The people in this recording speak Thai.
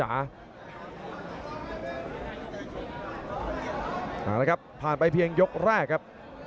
เอาละครับผ่านไปเพียงยกแรกครับ